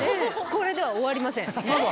これでは終わりませんまだ？